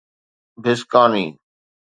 بسڪاني